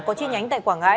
có chi nhánh tại quảng ngãi